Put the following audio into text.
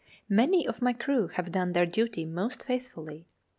Many of my crew have done their duty most faithfully.